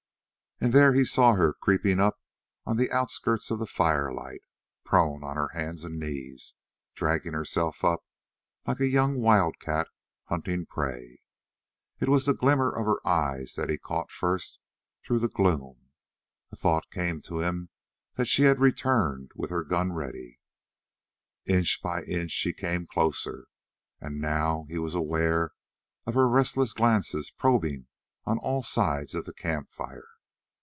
And there he saw her creeping up on the outskirts of the firelight, prone on her hands and knees, dragging herself up like a young wildcat hunting prey; it was the glimmer of her eyes that he caught first through the gloom. A cold thought came to him that she had returned with her gun ready. Inch by inch she came closer, and now he was aware of her restless glances probing on all sides of the camp fire.